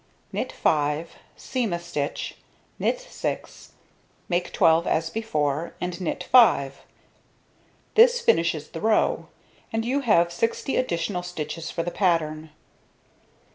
Knit 5, seam a stitch, knit 6, make 12 as before, and knit 5. This finishes the row; and you have 60 additional stitches for the pattern.